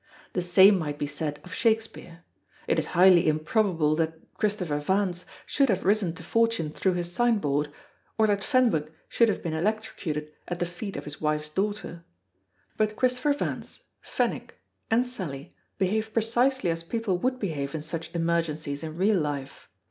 The same might be said of Shakespeare. It is highly improbable that Christopher Vance could have risen to fortune through his sign board, or that Fenwick should have been electrocuted at the feet of his wife's daughter. But Christopher Vance, Fenwick, and Sally behave precisely as people would behave in such emergencies in real life.